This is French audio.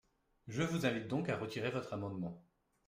Je vous invite donc à retirer votre amendement.